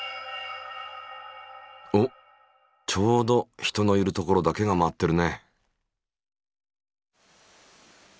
おっちょうど人のいる所だけが回っているね。